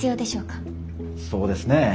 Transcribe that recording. そうですね。